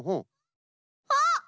あっ！